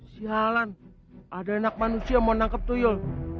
sialan ada anak manusia yang mau menangkap tuyul